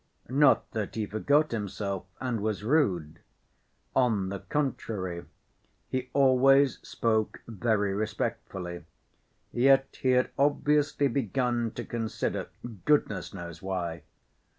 Not that he forgot himself and was rude; on the contrary, he always spoke very respectfully, yet he had obviously begun to consider—goodness knows why!